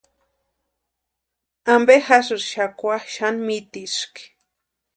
¿Ampe jásïri xakwa xani mitiski?